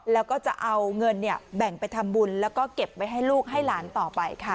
แล้วก็จะเอาเงินแบ่งไปทำบุญแล้วก็เก็บไว้ให้ลูกให้หลานต่อไปค่ะ